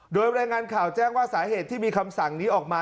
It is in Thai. โดยรายงานข่าวแจ้งว่าสาเหตุที่มีคำสั่งนี้ออกมา